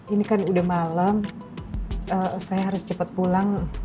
ini kan udah malam saya harus cepat pulang